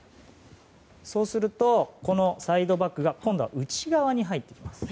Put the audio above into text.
そうすると、サイドバックが今度は内側に入ってきます。